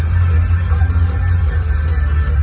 จากสะโกะมันกล่องอาโลก